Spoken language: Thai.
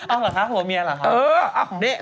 เอาเหรอคะผัวเมียเหรอครับ